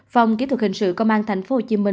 phòng kỹ thuật hình sự công an tp hcm